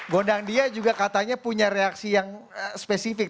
gondang dia juga katanya punya reaksi yang spesifik